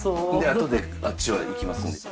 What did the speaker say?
あとであっちは行きますので。